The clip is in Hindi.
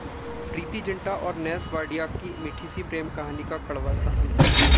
प्रीति जिंटा और नेस वाडिया की मीठी-सी प्रेम कहानी का कड़वा-सा अंत